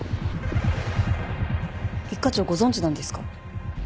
一課長ご存じなんですか？